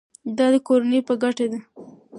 دا د کورنۍ په ګټه ده.